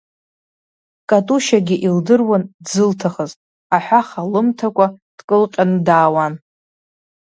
Катушьагьы илдыруан дзылҭахыз, аҳәаха лымҭакәа дкылҟьаны даауан.